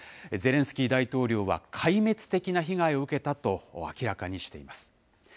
ゼレンスキー大統領は壊滅的な被害を受けたと明らかにしています。